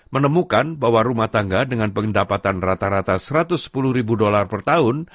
menemukan bahwa rumah tangga dengan pendapatan rata rata satu ratus sepuluh ribu dolar per tahun